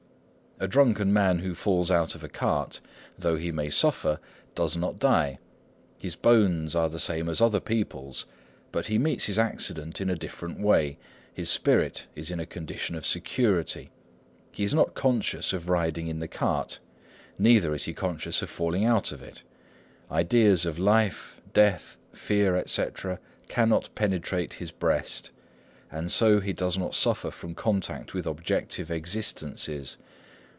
"A drunken man who falls out of a cart, though he may suffer, does not die. His bones are the same as other people's; but he meets his accident in a different way. His spirit is in a condition of security. He is not conscious of riding in the cart; neither is he conscious of falling out of it. Ideas of life, death, fear, etc., cannot penetrate his breast; and so he does not suffer from contact with objective existences.